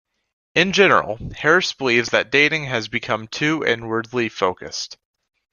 In general, Harris believes that dating has become too inwardly focused.